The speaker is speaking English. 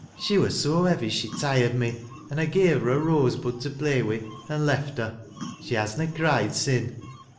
She wur so heavy she tired me an' I gave her a rose bud to play wi' an' left her. She has na cried sin'.